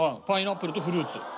パイナップルとフルーツ。